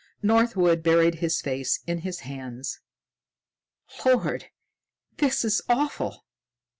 Northwood buried his face in his hands. "Lord! This is awful.